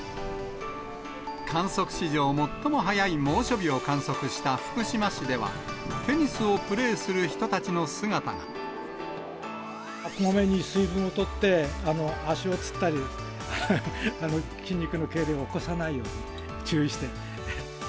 観測史上最も早い猛暑日を観測した福島市では、こまめに水分をとって、足をつったり、筋肉のけいれんを起こさないように注意して。